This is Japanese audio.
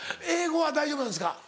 英語は大丈夫なんですか？